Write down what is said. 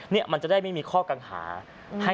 นี่มันจะได้ไม่มีข้อกังหา